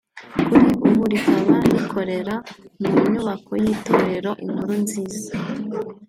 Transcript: kuri ubu rikaba rikorera mu nyubako y’itorero Inkuru nziza